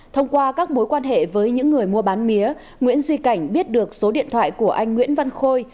thông qua các mối quan hệ với những người mua bán mía nguyễn duy cảnh biết được số điện thoại của anh nguyễn văn khôi